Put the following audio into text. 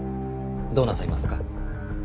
どうなさいますか？